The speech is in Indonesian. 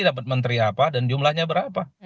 dapat menteri apa dan jumlahnya berapa